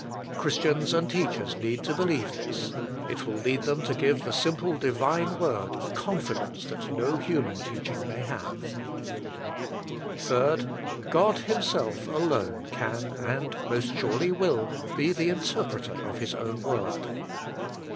Christians and teachers need to believe this. It will lead them to give the simple Divine word a confidence that no human teaching may have. 3. God Himself alone Can, and Most Surely Will, Be the Interpreter of His Own Word.